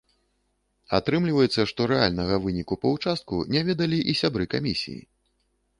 Атрымліваецца, што рэальнага выніку па ўчастку не ведалі і сябры камісіі.